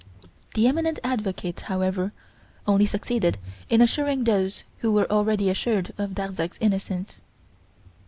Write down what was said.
The eminent advocate however, only succeeded in assuring those who were already assured of Darzac's innocence.